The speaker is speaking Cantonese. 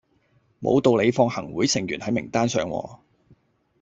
無道理放行會成員喺名單上喎